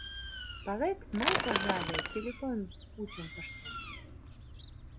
— Палет, мый, пожале, телефон пучым пыштем.